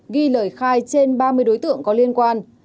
ghi lời khai trên ba mươi đối tượng có liên quan